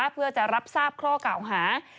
เพื่อจะรับทราบข้อเก่าหา